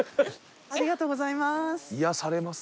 ありがとうございます。